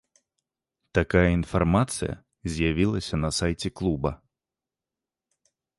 Такая інфармацыя з'явілася на сайце клуба.